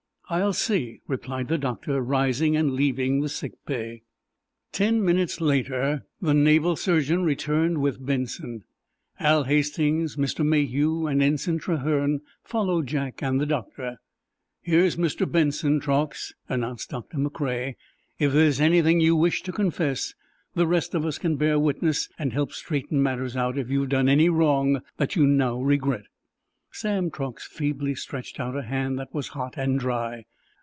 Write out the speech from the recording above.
"I'll see," replied the doctor, rising and leaving the "sick bay." Ten minutes later the naval surgeon returned with Benson. Hal Hastings, Mr. Mayhew and Ensign Trahern followed Jack and the doctor. "Here's Mr. Benson, Truax," announced Doctor McCrea. "If there's anything you wish to confess, the rest of us can bear witness and help straighten matters out if you've done any wrong that you now regret." Sam Truax feebly stretched out a hand that was hot and dry.